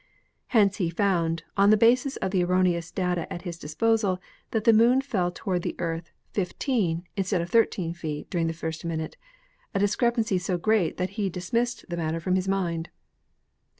Hence he found, on the basis of the erroneous data at his disposal, that the Moon fell to ward the Earth fifteen instead of thirteen feet during the first minute, a discrepancy so great that he dismissed the matter from his mind.